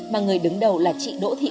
mà người đứng đầu là chị đỗ thiên